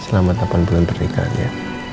selamat tahun bulan pernikahan ya